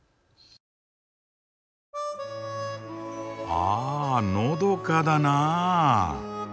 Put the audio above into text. あぁのどかだなぁ。